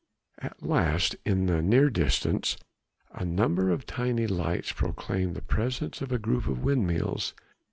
At last in the near distance a number of tiny lights proclaimed the presence of a group of windmills.